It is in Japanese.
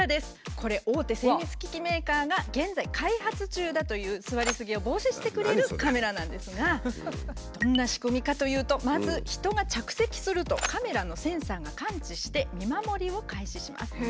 これ大手精密機器メーカーが現在開発中だという座りすぎを防止してくれるカメラなんですがどんな仕組みかというとまず人が着席するとカメラのセンサーが感知して見守りを開始します。